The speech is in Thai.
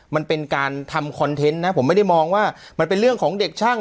มันเป็นการทำคอนเทนต์นะผมไม่ได้มองว่ามันเป็นเรื่องของเด็กช่าง